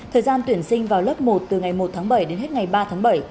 thời gian tuyển sinh vào lớp một từ ngày một tháng bảy đến hết ngày ba tháng bảy